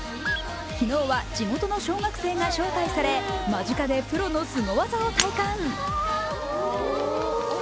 昨日は地元の小学生が招待され、間近でプロのすご技を体感。